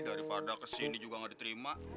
daripada kesini juga nggak diterima